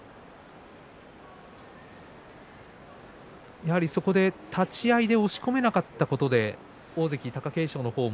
やはり立ち合いで押し込めなかったことで大関貴景勝の方は。